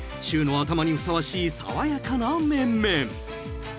週の頭にふさわしい爽やかな面々］